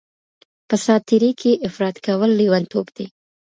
په ساعت تیرۍ کي افراط کول لیونتوب دی.